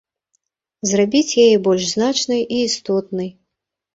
Зрабіць яе больш значнай і істотнай.